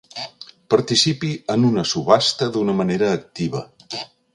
Participi en una subhasta d'una manera activa.